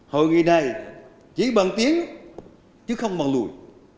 hội nghị này chỉ bàn tiến chứ không bàn lùi